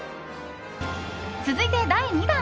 続いて、第２弾。